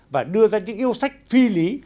và đưa ra những yêu sách phi lý